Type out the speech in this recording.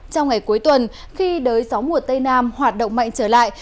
trong ngày cuối tuần khi đới gió mùa tây nam hoạt động mạnh trở lại